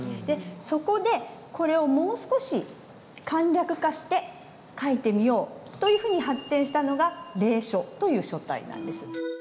そこでこれをもう少し簡略化して書いてみようというふうに発展したのが隷書という書体なんです。